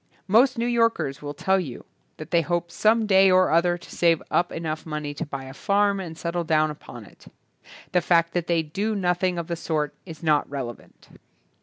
Most New Yorkers will tell you that they hope THE BOOKMAN some day or other to save up enough money to buy a farm and settle down upon it. The fact that they do nothing of the sort is not relevant.